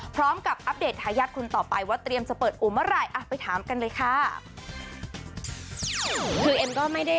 พร้อมกับอัพเดทถ้ายัดคุณต่อไปว่าเตรียมจะเปิดเอาเมื่อไร